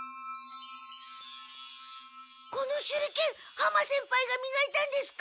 この手裏剣浜先輩がみがいたんですか？